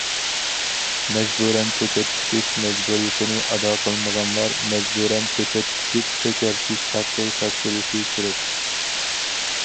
مەجبۇرەن كۆچەت تىكىش مەجبۇرىيىتىنى ئادا قىلمىغانلار مەجبۇرەن كۆچەت تىكىپ كۆكەرتىش ھەققى تاپشۇرۇشى كېرەك.